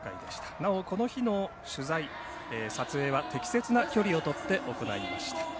なおこの日の取材、撮影は適切な距離をとって行いました。